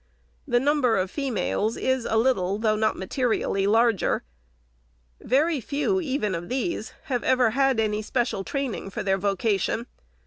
The number of females is a little, though not materially, larger. Very few even of these have ever had any special training for their voca tion.